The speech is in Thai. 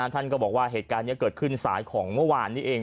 ท่านก็บอกว่าเหตุการณ์นี้เกิดขึ้นสายของเมื่อวานนี้เอง